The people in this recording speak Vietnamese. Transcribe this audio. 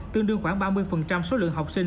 tương đương khoảng ba mươi số lượng học sinh